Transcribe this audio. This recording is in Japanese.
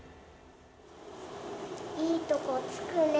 いいとこ、つくね。